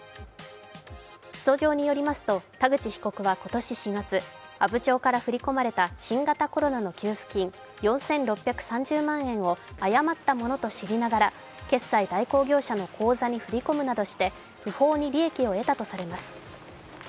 起訴状によりますと、田口被告は今年４月阿武町から振り込まれた新型コロナの給付金４６３０万円を誤ったものと知りながら決済代行業者の口座に振り込むなどして不法に利益を得たとされます。